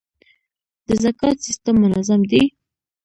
د زکات سیستم منظم دی؟